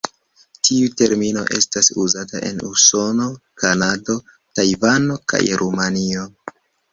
Tiu termino estas uzata en Usono, Kanado, Tajvano kaj Rumanio.